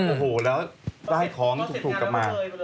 โอ้โหก็ได้ของถูกออกมา